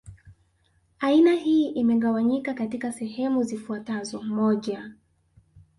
Aina hii imegawanyika katika sehemu zifuatazoMoja